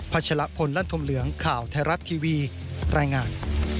ชะละพลลั่นธมเหลืองข่าวไทยรัฐทีวีรายงาน